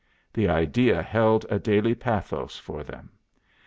The idea held a daily pathos for them.